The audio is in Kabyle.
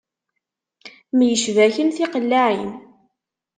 Myecbaken tiqellaɛin.